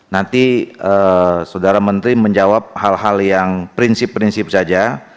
nanti saudara menteri menjawab hal hal yang prinsip prinsip saja